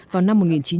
và có thể ghi nhận